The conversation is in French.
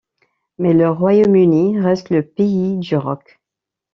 Mais le Royaume-Uni reste le pays du rock.